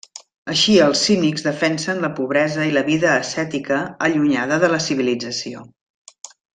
Així els cínics defensen la pobresa i la vida ascètica allunyada de la civilització.